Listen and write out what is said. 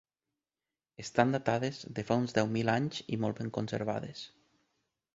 Estan datades de fa uns deu mil anys i molt ben conservades.